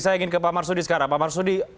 saya ingin ke pak marsudi sekarang pak marsudi